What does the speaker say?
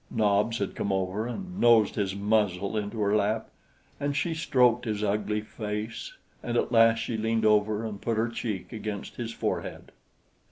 Nobs had come over and nosed his muzzle into her lap, and she stroked his ugly face, and at last she leaned over and put her cheek against his forehead.